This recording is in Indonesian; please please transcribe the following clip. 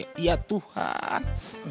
jangan sampai ya tuhan